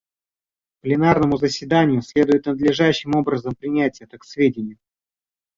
Пленарному заседанию следует надлежащим образом принять это к сведению.